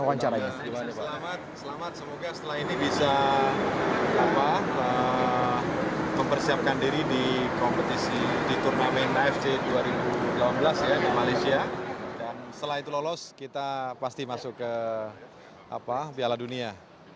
dan setelah itu lolos kita pasti masuk ke biala dunia